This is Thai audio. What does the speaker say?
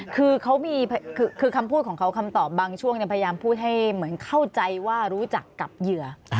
คือเขามีคือคำพูดของเขาคำตอบบางช่วงพยายามพูดให้เหมือนเข้าใจว่ารู้จักกับเหยื่อ